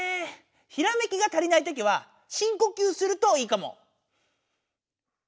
ひらめきが足りないときはしんこきゅうするといいかも。